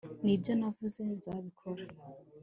nibyo navuze nzabikora